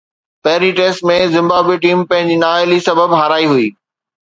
پهرين test ۾ Zimbabwe team پنهنجي نااهلي سبب هارائي هئي.